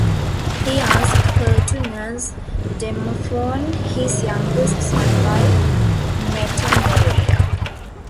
He asked her to nurse Demophon, his youngest son by Metaneira.